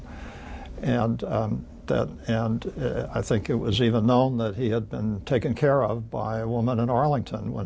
และรู้สึกว่าเขาก็ได้เซ็นต์จากหัวพ่อที่ออร์ลิงก์ตอนใหม่